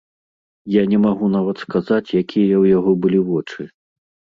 Я не магу нават сказаць, якія ў яго былі вочы.